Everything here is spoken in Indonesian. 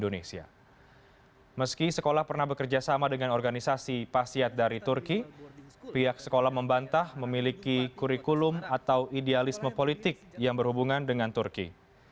dan juga dengan perang idealisme politik yang berhubungan dengan turki